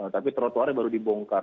tapi trotoarnya baru dibongkar